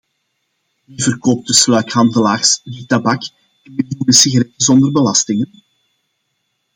Wie verkoopt de sluikhandelaars die tabak en miljoenen sigaretten zonder belastingen?